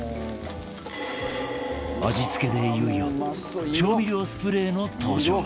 味付けでいよいよ調味料スプレーの登場